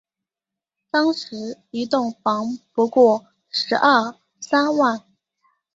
当时一栋房不过十二三万